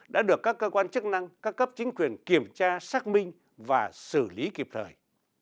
đã được các cơ quan chức năng các cấp chính quyền kiểm tra xác minh và xử lý kịp thời